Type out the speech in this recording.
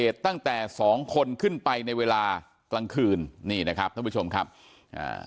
ตั้งแต่สองคนขึ้นไปในเวลากลางคืนนี่นะครับท่านผู้ชมครับอ่า